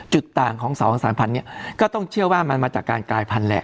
จุดต่างของ๒๓๐๐เนี่ยก็ต้องเชื่อว่ามันมาจากการกลายพันธุ์แหละ